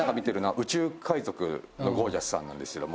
宇宙海賊のゴー☆ジャスさんなんですけども。